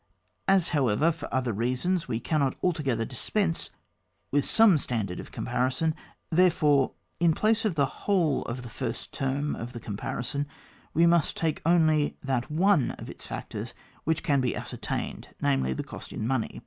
As, however, for other reasons we can not altogether dispense with some stan dard of comparison, therefore, in place of the whole of the first term of the com parison we must take only that one of its factors which can be ascertained, namely, the cost in money.